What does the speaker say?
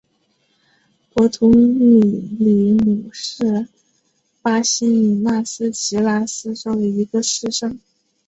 博图米里姆是巴西米纳斯吉拉斯州的一个市镇。